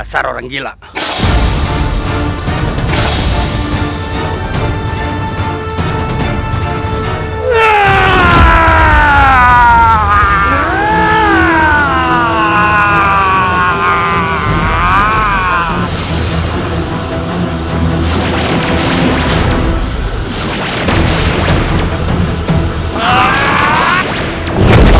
saya melihat makhluk declutter